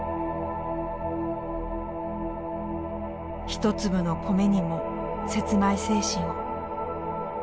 「一粒の米にも『節米精神を』」。